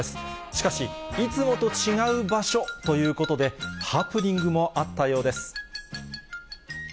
しかし、いつもと違う場所ということで、ハプニングもあったようです。